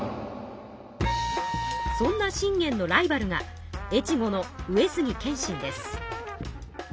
そんな信玄のライバルが越後の上杉謙信です。